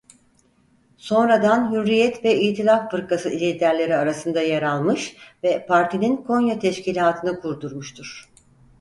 Sonradan Hürriyet ve İtilaf Fırkası liderleri arasında yer almış ve partinin Konya teşkilatını kurdurmuştur.